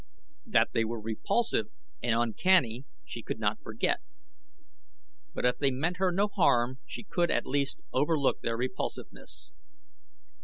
That they were repulsive and uncanny she could not forget, but if they meant her no harm she could, at least, overlook their repulsiveness.